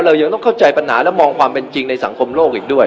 เรายังต้องเข้าใจปัญหาและมองความเป็นจริงในสังคมโลกอีกด้วย